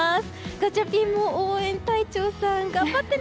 ガチャピンも応援隊長さん頑張ってね！